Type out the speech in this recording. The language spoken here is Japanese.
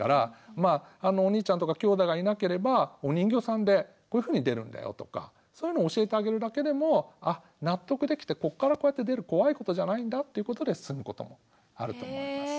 まあお兄ちゃんとかきょうだいがいなければお人形さんでこういうふうに出るんだよとかそういうのを教えてあげるだけでも納得できてここからこうやって出る怖いことじゃないんだっていうことで進むこともあると思います。